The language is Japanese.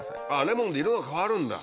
レモンで色が変わるんだ。